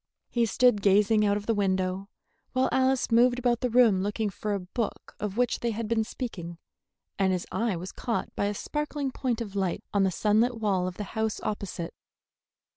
He stood gazing out of the window, while Alice moved about the room looking for a book of which they had been speaking, and his eye was caught by a sparkling point of light on the sunlit wall of the house opposite.